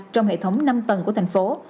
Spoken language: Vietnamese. trong hệ thống năm tầng của thành phố